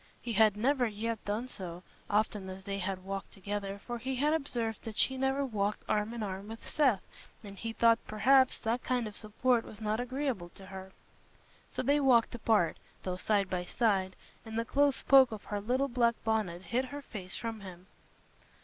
He had never yet done so, often as they had walked together, for he had observed that she never walked arm in arm with Seth, and he thought, perhaps, that kind of support was not agreeable to her. So they walked apart, though side by side, and the close poke of her little black bonnet hid her face from him.